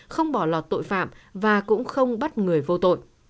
không bỏ lọt tội phạm và cũng không bắt người vô tội